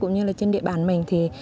cũng như trên địa bàn mình